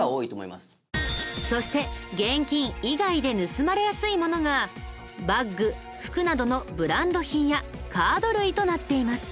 そして現金以外で盗まれやすいものがバッグ服などのブランド品やカード類となっています。